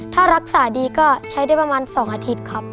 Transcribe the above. ถ้ารักษาดีก็ใช้ได้ประมาณ๒อาทิตย์ครับ